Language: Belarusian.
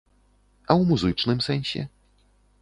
А ў музычным сэнсе?